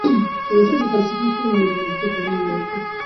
که ښځې فلسفه پوهې وي نو منطق به نه وي ورک.